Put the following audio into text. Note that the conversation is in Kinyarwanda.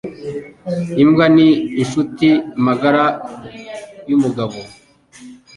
Imbwa ni inshuti magara yumugabo